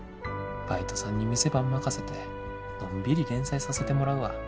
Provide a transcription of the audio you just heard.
バイトさんに店番任せてのんびり連載させてもらうわ。